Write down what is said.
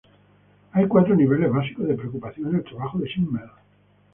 Hay cuatro niveles básicos de preocupación en el trabajo de Simmel.